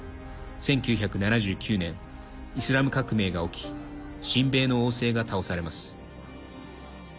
１９７９年、イスラム革命が起き親米の王制が倒されます。